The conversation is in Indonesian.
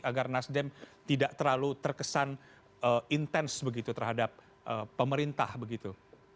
agar nasdem tidak terlalu terkesan intens begitu terhadap pemerintah begitu